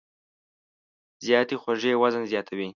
زیاتې خوږې وزن زیاتوي.